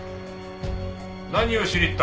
何をしに行った？